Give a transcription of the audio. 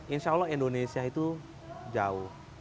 insya allah indonesia itu jauh